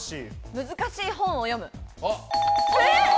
難しい本を読む。